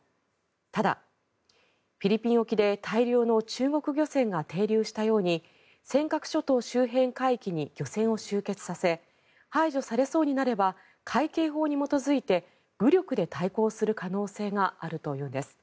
ただ、フィリピン沖で大量の中国漁船が停留したように尖閣諸島周辺海域に漁船を集結させ排除されそうになれば海警法に基づいて武力で対抗する可能性があるというんです。